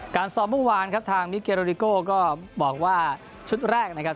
ซ้อมเมื่อวานครับทางมิเกโรดิโก้ก็บอกว่าชุดแรกนะครับ